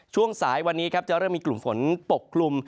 ช่วงสายวันนี้ครับจะเริ่มมีกลุ่มฝนปกคลุม